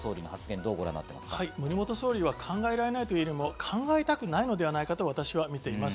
森元総理は考えられないというよりも、考えたくないのではないかと私は見ています。